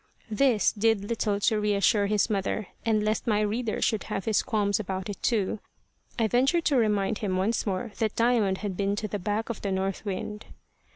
This did little to reassure his mother; and lest my reader should have his qualms about it too, I venture to remind him once more that Diamond had been to the back of the north wind.